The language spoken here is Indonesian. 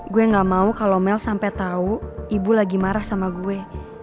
gue gak mau kalo mel sampe tau ibu lagi marah sama gue